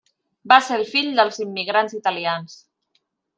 Va ser el fill dels immigrants italians.